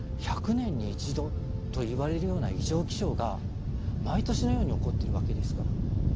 １００年に１度と言われるような異常気象が毎年のように起こってるわけですから。